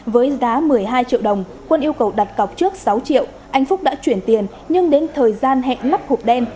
với giá một mươi hai triệu đồng quân yêu cầu đặt cọc trước sáu triệu anh phúc đã chuyển tiền nhưng đến thời gian hẹn lắp hộp đen